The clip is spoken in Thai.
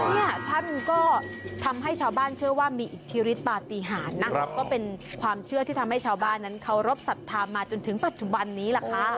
เนี่ยท่านก็ทำให้ชาวบ้านเชื่อว่ามีอิทธิฤทธปฏิหารนะก็เป็นความเชื่อที่ทำให้ชาวบ้านนั้นเคารพสัทธามาจนถึงปัจจุบันนี้ล่ะค่ะ